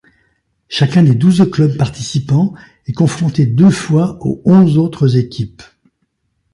Chacun des douze clubs participant est confronté deux fois aux onze autres équipes.